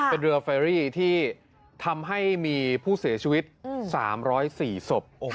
เป็นเรือเฟอรี่ที่ทำให้มีผู้เสียชีวิต๓๐๔ศพ